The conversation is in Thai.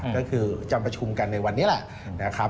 ก็คือจำประชุมกันในวันนี้แหละ